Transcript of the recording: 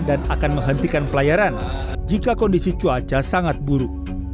dan akan menghentikan pelayaran jika kondisi cuaca sangat buruk